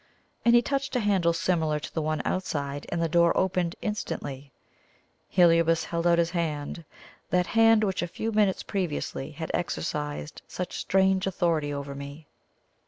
And he touched a handle similar to the one outside, and the door opened instantly. Heliobas held out his hand that hand which a few minutes previously had exercised such strange authority over me.